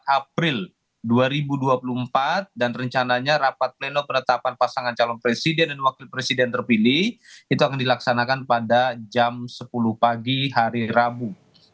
april dua ribu dua puluh empat dan rencananya rapat pleno penetapan pasangan calon presiden dan wakil presiden terpilih itu akan dilaksanakan pada jam sepuluh pagi hari rabu